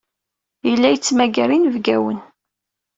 Yella yettmagar inebgawen.